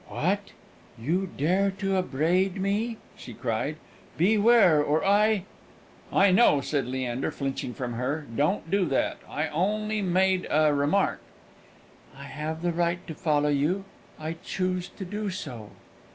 "What! you dare to upbraid me?" she cried. "Beware, or I " "I know," said Leander, flinching from her. "Don't do that; I only made a remark." "I have the right to follow you; I choose to do so."